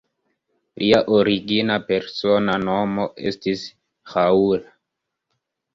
Lia origina persona nomo estis "Raoul".